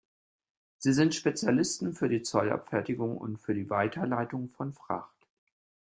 Sie sind Spezialisten für die Zollabfertigung und für die Weiterleitung von Fracht.